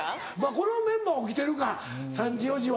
このメンバーは起きてるか３時４時は。